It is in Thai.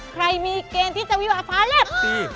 ใครมีเกณฑ์ที่จะวิวาฟ้าแล็บ